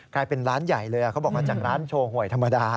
กลายเป็นร้านใหญ่เลยเขาบอกมาจากร้านโชว์หวยธรรมดา